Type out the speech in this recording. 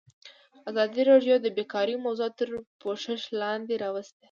ازادي راډیو د بیکاري موضوع تر پوښښ لاندې راوستې.